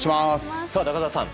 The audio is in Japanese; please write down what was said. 中澤さん